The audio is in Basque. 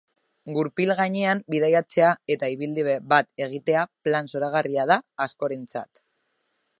Gurpil gainean bidaiatzea eta ibilbide bat egitea plan zoragarria da askorentzat.